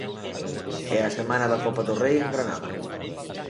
E a semana da Copa do Rei en Granada.